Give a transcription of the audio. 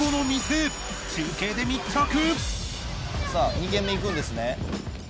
さあ２軒目行くんですね。